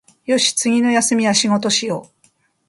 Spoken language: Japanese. よし、次の休みは仕事しよう